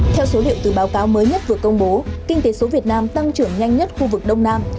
theo số liệu từ báo cáo mới nhất vừa công bố kinh tế số việt nam tăng trưởng nhanh nhất khu vực đông nam